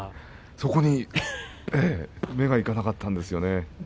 そこに目がいかなかったんですよね。